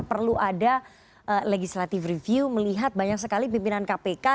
perlu ada legislative review melihat banyak sekali pimpinan kpk